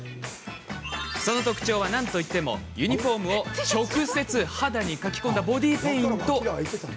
その特徴は、なんといってもユニフォームを直接肌に描き込んだボディーペイント。